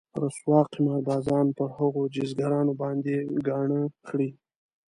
رسوا قمار بازان پر هغو جيزګرانو باندې ګاڼه کړي.